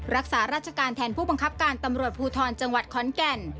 รักษาราชการแทนผู้บังคับการตำรวจภูทรจังหวัดขอนแก่น